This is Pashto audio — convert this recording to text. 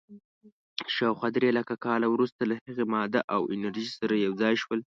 شاوخوا درېلکه کاله وروسته له هغې، ماده او انرژي سره یو ځای شول.